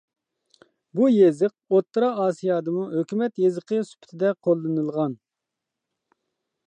بۇ يېزىق ئوتتۇرا ئاسىيادىمۇ ھۆكۈمەت يېزىقى سۈپىتىدە قوللىنىلغان.